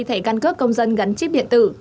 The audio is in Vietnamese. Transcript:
thẻ cân cướp công dân gắn chip điện tử